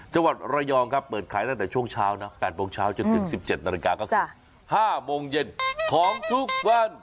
จังหวัดระยองครับเปิดขายตั้งแต่ช่วงเช้านะ๘โมงเช้าจนถึง๑๗นาฬิกาก็คือ๕โมงเย็นของทุกวัน